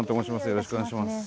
よろしくお願いします。